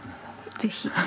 ぜひ。